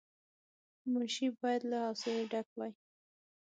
منشي باید له حوصله ډک وای.